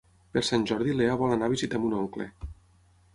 Per Sant Jordi na Lea vol anar a visitar mon oncle.